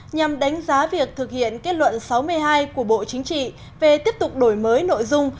nhằm đánh giá việc thực hiện kết luận sáu mươi hai của bộ chính trị về tiếp tục đổi mới nội dung